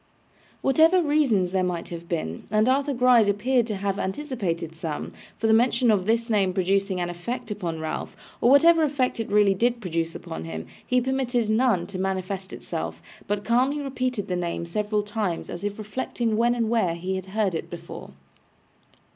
Whatever reasons there might have been and Arthur Gride appeared to have anticipated some for the mention of this name producing an effect upon Ralph, or whatever effect it really did produce upon him, he permitted none to manifest itself, but calmly repeated the name several times, as if reflecting when and where he had heard it before.